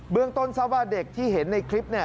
เรื่องต้นทราบว่าเด็กที่เห็นในคลิป